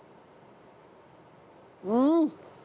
うん！